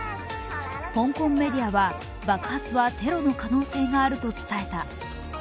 香港メディアは、爆発はテロの可能性があると伝えた。